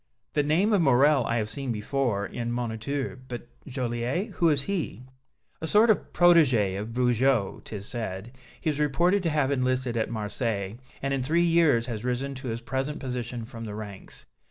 "The name of Morrel I have seen before in the 'Moniteur,' but Joliette who is he?" "A sort of protégé of Bugeaud, 'tis said. He is reported to have enlisted at Marseilles, and in three years has risen to his present position from the ranks.